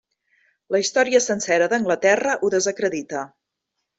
La història sencera d'Anglaterra ho desacredita.